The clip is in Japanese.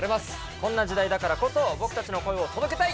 こんな時代だからこそ僕たちの声を届けたい！